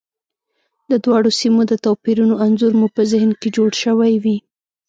د دواړو سیمو د توپیرونو انځور مو په ذهن کې جوړ شوی وي.